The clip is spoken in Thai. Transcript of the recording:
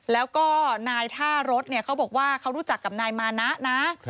แล้วก็นายท่ารถเขาบอกว่าเขารู้จักกับนายมานะนะ